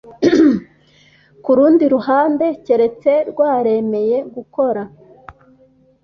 ku rundi ruhande keretse rwaremeye gukora